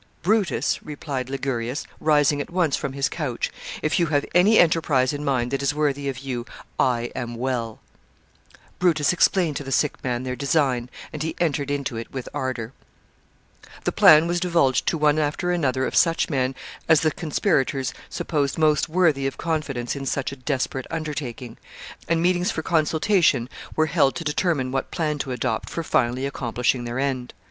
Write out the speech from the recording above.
"Brutus," replied Ligurius, rising at once from his couch, "if you have any enterprise in mind that is worthy of you, I am well." Brutus explained to the sick man their design, and he entered into it with ardor. [Sidenote: Consultations of the conspirators.] [Sidenote: Their bold plan.] [Sidenote: Final arrangements.] The plan was divulged to one after another of such men as the conspirators supposed most worthy of confidence in such a desperate undertaking, and meetings for consultation were held to determine what plan to adopt for finally accomplishing their end.